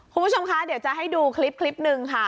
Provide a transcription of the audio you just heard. คุณผู้ชมคะเดี๋ยวจะให้ดูคลิปหนึ่งค่ะ